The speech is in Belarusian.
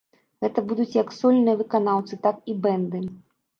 Гэта будуць як сольныя выканаўцы, так і бэнды.